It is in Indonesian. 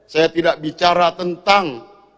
saya tidak bicara tentang